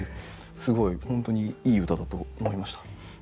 すごい本当にいい歌だと思いました。